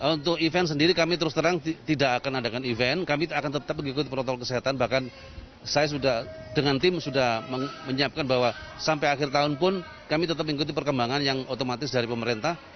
untuk event sendiri kami terus terang tidak akan adakan event kami akan tetap mengikuti protokol kesehatan bahkan saya sudah dengan tim sudah menyiapkan bahwa sampai akhir tahun pun kami tetap mengikuti perkembangan yang otomatis dari pemerintah